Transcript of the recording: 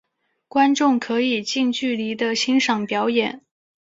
观众可以近距离地欣赏表演。